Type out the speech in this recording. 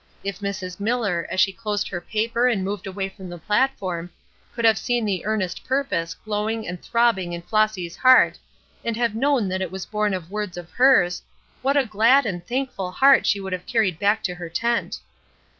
If Mrs. Miller, as she closed her paper and moved away from the platform, could have seen the earnest purpose glowing and throbbing in Flossy's heart, and have known that it was born of words of hers, what a glad and thankful heart would she have carried back to her tent!